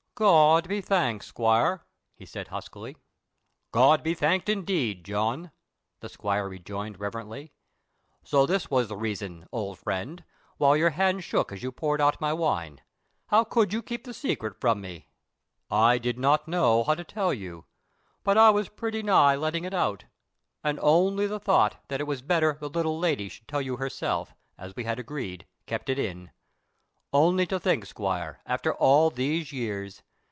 "God be thanked, squire!" he said huskily. "God be thanked, indeed, John!" the squire rejoined reverently. "So this was the reason, old friend, why your hand shook as you poured out my wine. How could you keep the secret from me?" "I did not know how to begin to tell you, but I was pretty nigh letting it out, and only the thought that it was better the little lady should tell you herself, as we had agreed, kept it in. Only to think, squire, after all these years!